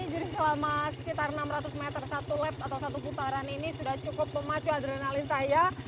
jadi selama sekitar enam ratus meter satu lap atau satu putaran ini sudah cukup memacu adrenalin saya